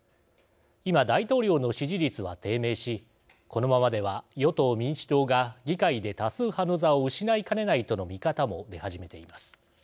今大統領の支持率は低迷しこのままでは与党・民主党が議会で多数派の座を失いかねないとの見方も出始めています。